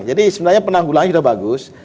jadi sebenarnya penanggulannya sudah bagus